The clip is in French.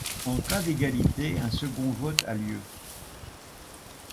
En cas d'égalité, un second vote a lieu.